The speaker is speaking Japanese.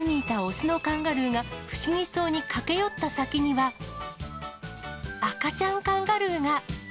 群れにいた雄のカンガルーが不思議そうに駆け寄った先には、赤ちゃんカンガルーが。